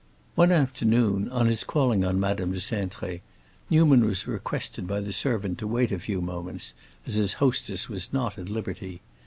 One afternoon, on his calling on Madame de Cintré, Newman was requested by the servant to wait a few moments, as his hostess was not at liberty.